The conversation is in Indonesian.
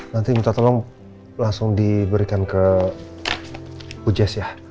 nanti minta tolong langsung diberikan ke bu jess ya